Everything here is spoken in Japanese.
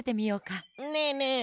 ねえねえ。